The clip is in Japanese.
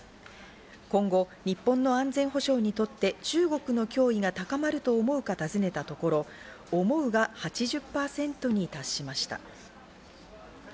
今後、日本の安全保障にとって中国の脅威が高まると思うか尋ねたところ、思うが８０％に達しました。